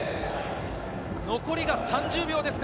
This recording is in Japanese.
残りが３０秒です。